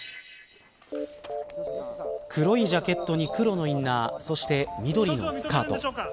黒いジャケットに黒のインナー、そして緑のスカート。